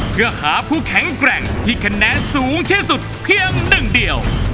เพื่อหาผู้แข็งแกร่งที่คะแนนสูงที่สุดเพียงหนึ่งเดียว